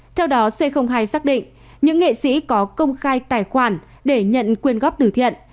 theo đó c hai xác định những nghệ sĩ có công khai tài khoản để nhận quyền góp tử thiện